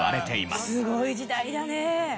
すごい時代だね。